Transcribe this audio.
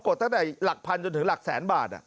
ตั้งแต่หลักพันจนถึงหลักแสนบาท